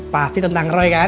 pasti tentang roy kan